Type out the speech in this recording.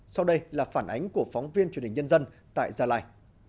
sau đây là phản ánh của phóng viên truyền hình nhân dân tại gia lai